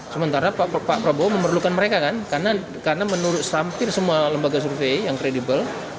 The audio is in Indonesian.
sementara pak prabowo memerlukan mereka kan karena menurut hampir semua lembaga survei yang kredibel